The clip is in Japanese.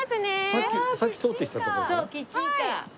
さっき通ってきたとこだよね。